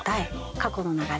過去の流れ